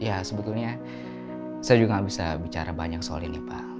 ya sebetulnya saya juga nggak bisa bicara banyak soal ini pak